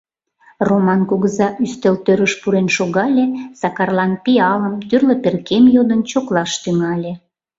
Роман кугыза ӱстел тӧрыш пурен шогале, Сакарлан пиалым, тӱрлӧ перкем йодын чоклаш тӱҥале.